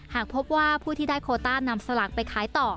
หากพบว่าผู้ที่ได้โคต้านำสลากไปขายต่อ